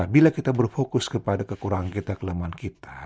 bila kita berfokus kepada kekurangan kita kelemahan kita